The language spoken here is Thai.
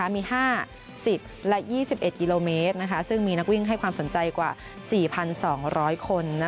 มี๕๐และ๒๑กิโลเมตรซึ่งมีนักวิ่งให้ความสนใจกว่า๔๒๐๐คน